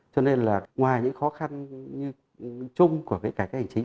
cho nên là ngoài những khó khăn chung của cái cải cách hành chính